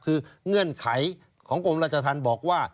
คือเงื่อนไขของกรมราชธรรมบอกว่า